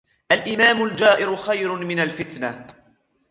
الْإِمَامُ الْجَائِرُ خَيْرٌ مِنْ الْفِتْنَةِ